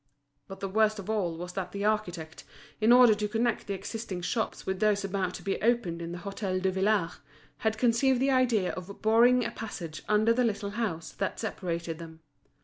But the worst of all was that the architect, in order to connect the existing shops with those about to be opened in the Hôtel Duvillard, had conceived the idea of boring a passage under the little house that separated them.